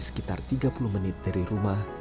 sekitar tiga puluh menit dari rumah